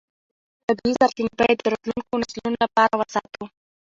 طبیعي سرچینې باید د راتلونکو نسلونو لپاره وساتو